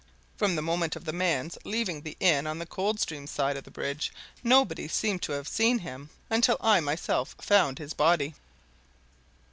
From the moment of the man's leaving the inn on the Coldstream side of the bridge, nobody seemed to have seen him until I myself found his body.